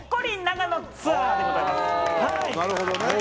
なるほどね。